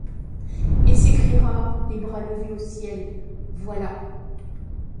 Et s’écriera, les bras levés au ciel : Voilà